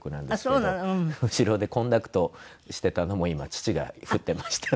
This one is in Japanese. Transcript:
後ろでコンダクトしてたのも今父が振ってました。